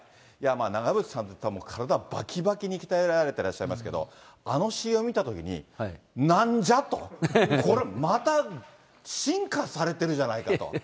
長渕さんっていったら、体、ばきばきに鍛えられてらっしゃいますけど、あのＣＭ見たときに、なんじゃ？と、また、進化されてるじゃないかと。